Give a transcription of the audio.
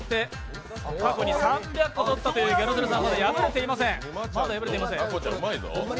過去に３００個取ったというギャル曽根さんはまだ破れてません。